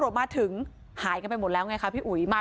ช่องบ้านต้องช่วยแจ้งเจ้าหน้าที่เพราะว่าโดนฟันแผลเวิกวะค่ะ